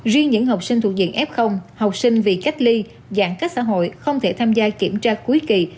riêng những học sinh thuộc diện f học sinh bị cách ly giãn cách xã hội không thể tham gia kiểm tra cuối kỳ